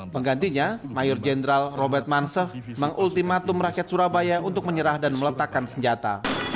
penggantinya mayor jenderal robert mansef mengultimatum rakyat surabaya untuk menyerah dan meletakkan senjata